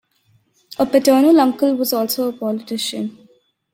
A paternal uncle was also a politician.